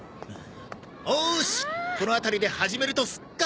おーしこの辺りで始めるとすっか！